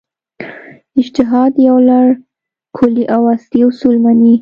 اجتهاد یو لړ کُلي او اصلي اصول مني.